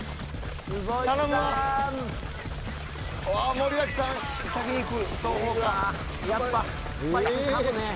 森脇さん、先に行く。